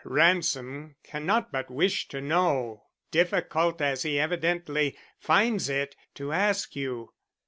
Ransom cannot but wish to know, difficult as he evidently finds it to ask you."